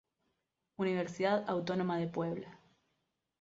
Universidad Autónoma de Puebla.